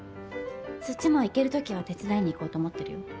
そっちも行ける時は手伝いに行こうと思ってるよ。